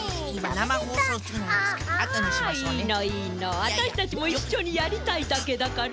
わたしたちもいっしょにやりたいだけだから。